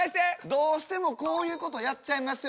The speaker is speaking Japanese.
どうしてもこういうことやっちゃいますよね